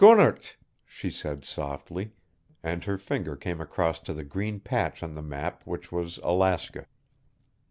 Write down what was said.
"Skunnert," she said softly, and her finger came across to the green patch on the map which was Alaska.